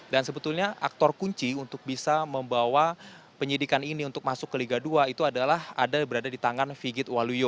dan sebetulnya aktor kunci untuk bisa membawa penyidikan ini untuk masuk ke liga dua itu adalah ada berada di tangan figit waluyo